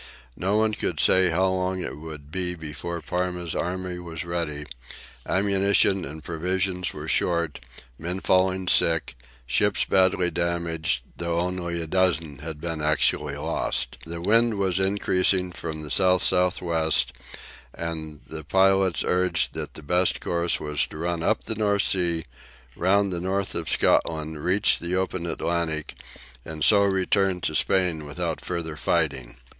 No one could say how long it would be before Parma's army was ready; ammunition and provisions were short, men falling sick, ships badly damaged, though only a dozen had been actually lost. The wind was increasing from the south south west, and the pilots urged that the best course was to run up the North Sea, round the north of Scotland, reach the open Atlantic, and so return to Spain without further fighting.